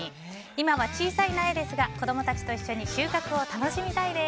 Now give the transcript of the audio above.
今は小さい苗ですが子供たちと一緒に収穫を楽しみたいです。